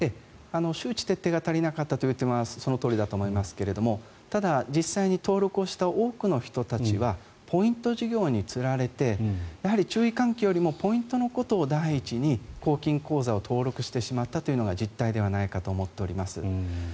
周知徹底が足りなかったという点はそのとおりだと思いますがただ、実際に登録をした多くの人たちはポイント事業につられてやはり注意喚起よりもポイントのことを第一に公金口座を登録してしまったというのが実態ではないかと思っております。